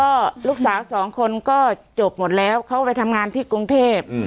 ก็ลูกสาวสองคนก็จบหมดแล้วเขาไปทำงานที่กรุงเทพ